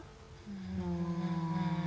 うん。